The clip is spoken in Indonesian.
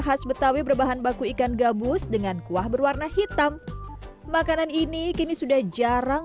khas betawi berbahan baku ikan gabus dengan kuah berwarna hitam makanan ini kini sudah jarang